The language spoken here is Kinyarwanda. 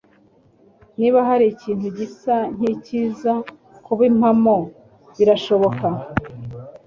Niba hari ikintu gisa nkicyiza kuba impamo, birashoboka.